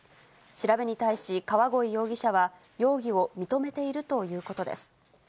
調べに対し、川鯉容疑者は、容疑を認めているということです。